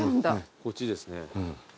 こっちですね。